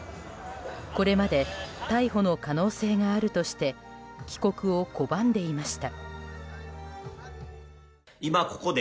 これまで逮捕の可能性があるとして帰国を拒んでいました。